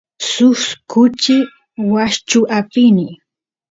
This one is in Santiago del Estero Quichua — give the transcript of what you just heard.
suk kuchi washchu apini